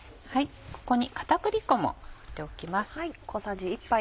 ここに片栗粉も振っておきます。